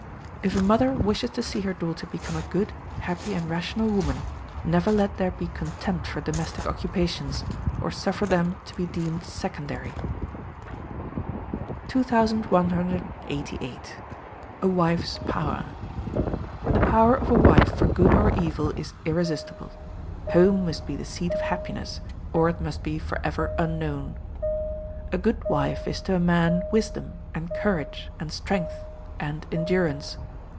If a mother wishes to see her daughter become a good, happy, and rational woman, never let there be contempt for domestic occupations, or suffer them to be deemed secondary. 2188. A Wife's Power. The power of a wife for good or evil is irresistible. Home must be the seat of happiness, or it must be for ever unknown. A good wife is to a man wisdom, and courage, and strength, and endurance.